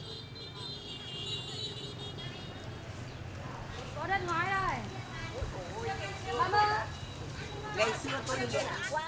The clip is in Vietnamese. nói đến đất ngói là